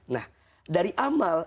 nah dari amal